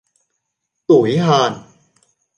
tủi hờn